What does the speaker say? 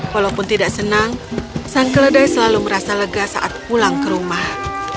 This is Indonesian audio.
walaupun tidak senang sang keledai selalu merasa lega saat pulang ke rumah